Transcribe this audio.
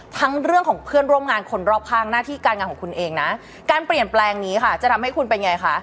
เรื่องของเพื่อนร่วมงานคนรอบข้างหน้าที่การงานของคุณเองนะการเปลี่ยนแปลงนี้ค่ะจะทำให้คุณเป็นไงคะ